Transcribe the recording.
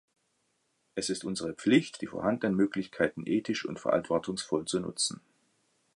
Es ist unsere Pflicht, die vorhandenen Möglichkeiten ethisch und verantwortungsvoll zu nutzen.